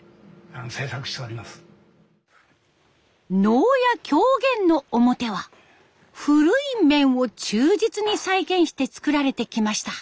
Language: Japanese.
能や狂言の面は古い面を忠実に再現して作られてきました。